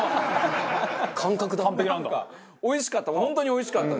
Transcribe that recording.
おいしかった！